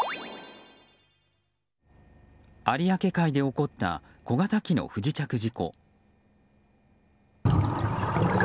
有明海で起こった小型機の不時着事故。